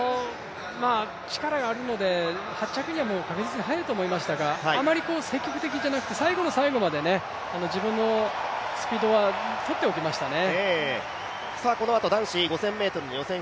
力があるので、８着には入ると思いましたが、あまり積極的ではなくて最後の最後まで自分のスピードはとっておきましたね。